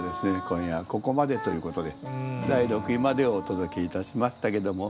今夜はここまでということで第６位までをお届けいたしましたけども。